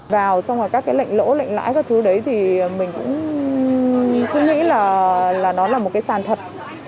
vào xong rồi các lệnh lỗ lệnh lãi các thứ đấy thì mình cũng nghĩ là nó là một cái sàn thật